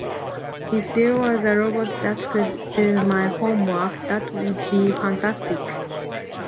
If there was a robot that could do my homework, that would be fantastic.